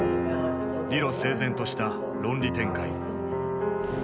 理路整然とした論理展開。